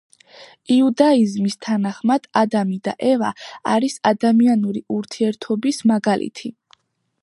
იუდაიზმის თანახმად ადამი და ევა არის ადამიანური ურთიერთობის მაგალითი.